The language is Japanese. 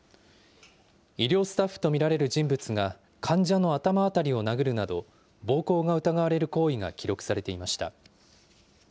医療スタッフと見られる人物が患者の頭辺りを殴るなど、暴行が疑われる行為が記録されていました。